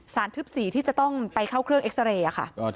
ทึบ๔ที่จะต้องไปเข้าเครื่องเอ็กซาเรย์ค่ะ